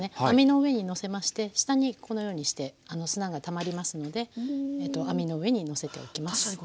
網の上にのせまして下にこのようにして砂がたまりますので網の上にのせておきます。